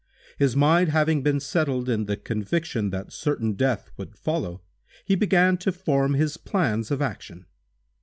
His mind having been settled in the conviction that certain death would follow, he began to form his plans of action.